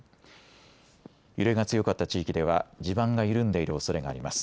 揺れが強かった地域では地盤が緩んでいるおそれがあります。